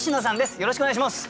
よろしくお願いします。